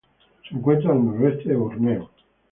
Se encuentra al noreste de Borneo.